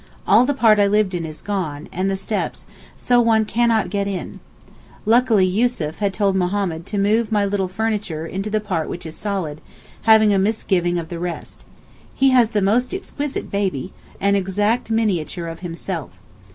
All the part I lived in is gone, and the steps, so one cannot get in. Luckily Yussuf had told Mohammed to move my little furniture to the part which is solid, having a misgiving of the rest. He has the most exquisite baby, an exact minature of himself.